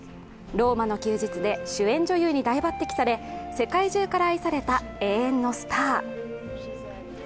「ローマの休日」で主演女優に大抜てきされ世界中から愛された永遠のスター。